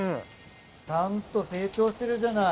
ちゃんと成長してるじゃない。